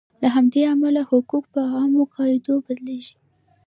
له همدې امله حقوق په عامو قاعدو بدلیږي.